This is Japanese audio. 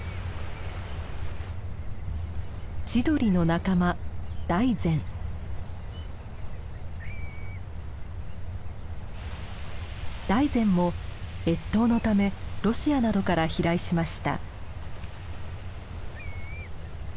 チドリの仲間ダイゼンも越冬のためロシアなどから飛来しました。